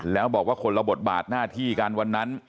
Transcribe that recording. แล้วบอกว่าคนละบทบาทหน้าที่กันวันนั้น